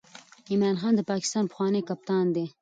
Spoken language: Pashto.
عمران خان د پاکستان پخوانی کپتان دئ.